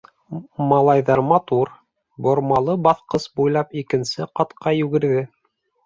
Малайҙар матур, бормалы баҫҡыс буйлап икенсе ҡатҡа йүгерҙе.